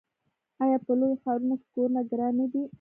آیا په لویو ښارونو کې کورونه ګران نه دي؟